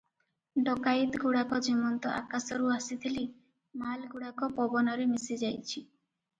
ଡକାଏତଗୁଡ଼ାକ ଯେମନ୍ତ ଆକାଶରୁ ଆସିଥିଲେ, ମାଲଗୁଡ଼ାକ ପବନରେ ମିଶି ଯାଇଛି ।